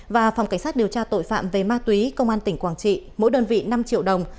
và phòng cảnh sát điều tra tội phạm về ma túy công an tỉnh quảng trị mỗi đơn vị năm triệu đồng